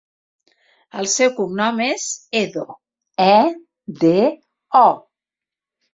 El seu cognom és Edo: e, de, o.